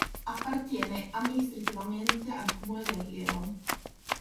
Appartiene amministrativamente al comune di Alghero.